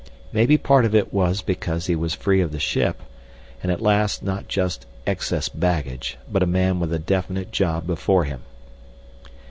Maybe part of it was because he was free of the ship and at last not just excess baggage but a man with a definite job before him.